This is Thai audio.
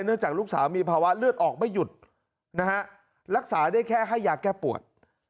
จากลูกสาวมีภาวะเลือดออกไม่หยุดนะฮะรักษาได้แค่ให้ยาแก้ปวด